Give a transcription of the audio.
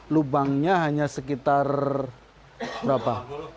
lubangnya hanya sekitar berapa